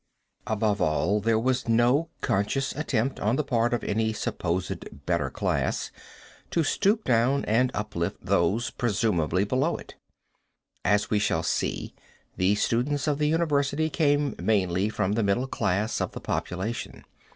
Above all, there was no conscious attempt on the part of any supposed better class to stoop down and uplift those presumably below it. As we shall see, the students of the university came mainly from the middle class of the population.